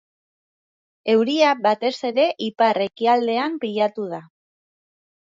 Euria, batez ere, ipar-ekialdean pilatu da.